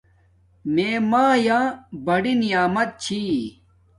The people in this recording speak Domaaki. میے میا بڑی نعمت چھی